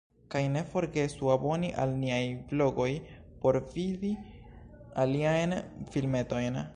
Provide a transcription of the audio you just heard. Kaj ne forgesu aboni al niaj blogoj por vidi aliajn filmetojn!